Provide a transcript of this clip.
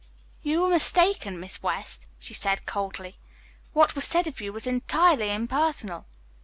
"You were mistaken, Miss West," she said coldly. "What was said of you was entirely impersonal."